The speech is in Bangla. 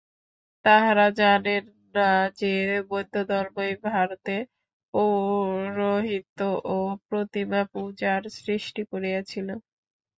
তাঁহারা জানেন না যে, বৌদ্ধধর্মই ভারতে পৌরোহিত্য ও প্রতিমাপূজার সৃষ্টি করিয়াছিল।